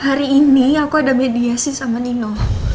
hari ini aku ada mediasi sama nino